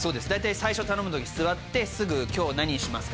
最初頼む時座ってすぐ「今日何にしますか」